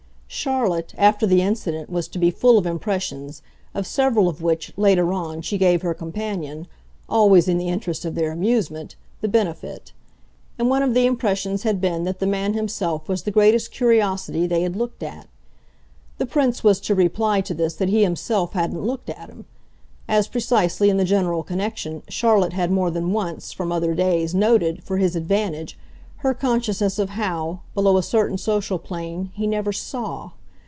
Charlotte, after the incident, was to be full of impressions, of several of which, later on, she gave her companion always in the interest of their amusement the benefit; and one of the impressions had been that the man himself was the greatest curiosity they had looked at. The Prince was to reply to this that he himself hadn't looked at him; as, precisely, in the general connection, Charlotte had more than once, from other days, noted, for his advantage, her consciousness of how, below a certain social plane, he never SAW.